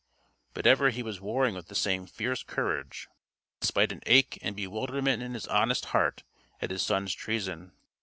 But ever he was warring with the same fierce courage; despite an ache and bewilderment in his honest heart at his son's treason.